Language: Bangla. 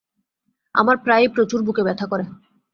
আমার প্রায়ই প্রচুর বুকে ব্যথা করে।